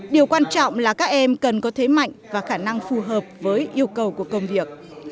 điều quan trọng là các em cần có thế mạnh và khả năng phù hợp với yêu cầu của công việc